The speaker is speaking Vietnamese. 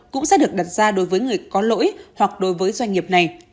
cũng sẽ được đặt ra đối với người có lỗi hoặc đối với doanh nghiệp này